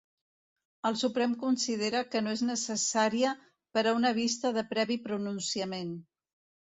El Suprem considera que no és necessària per a una vista de previ pronunciament.